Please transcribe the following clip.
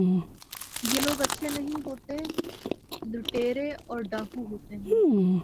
یہ لوگ اچھے نہیں ہوتے ، لٹیرے اور ڈاکو ہوتے ہیں ۔